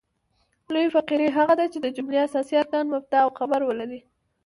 لویي فقرې هغه دي، چي د جملې اساسي ارکان مبتداء او خبر ولري.